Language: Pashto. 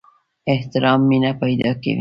احترام مینه پیدا کوي